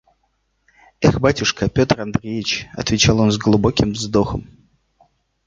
– Эх, батюшка Петр Андреич! – отвечал он с глубоким вздохом.